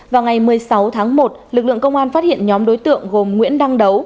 vào ngày một mươi sáu tháng một lực lượng công an phát hiện nhóm đối tượng gồm nguyễn đăng đấu